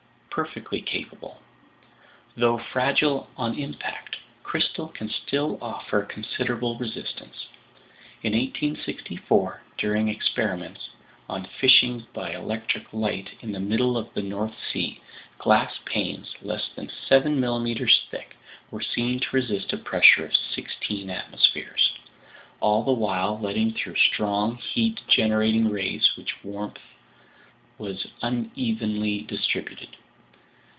"Perfectly capable. Though fragile on impact, crystal can still offer considerable resistance. In 1864, during experiments on fishing by electric light in the middle of the North Sea, glass panes less than seven millimeters thick were seen to resist a pressure of sixteen atmospheres, all the while letting through strong, heat generating rays whose warmth was unevenly distributed.